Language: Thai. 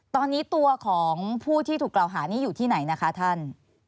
ตอนนี้ตัวของผู้ที่ถูกกล่าวหานี้อยู่ที่ไหนนะคะท่าน